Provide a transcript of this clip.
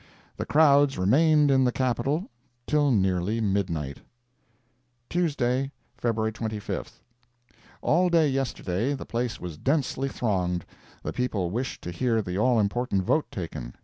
The crowds remained in the Capitol till nearly midnight. Tuesday, Feb. 25. All day yesterday, the place was densely thronged; the people wished to hear the all important vote taken.